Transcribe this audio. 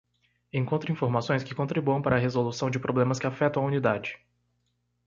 Encontre informações que contribuam para a resolução de problemas que afetam a unidade.